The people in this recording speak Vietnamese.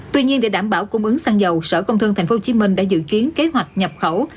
tuy nhiên để đảm bảo cung ứng xăng dầu sở công thương tp hcm đã dự kiến kế hoạch nhập khẩu